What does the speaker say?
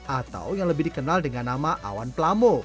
atau yang lebih dikenal dengan nama awan plamo